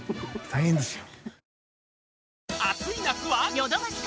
大変ですよ。